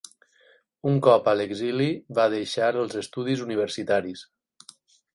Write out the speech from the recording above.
Un cop a l'exili, va deixar els estudis universitaris.